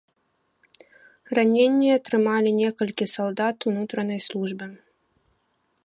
Раненні атрымалі некалькі салдат ўнутранай службы.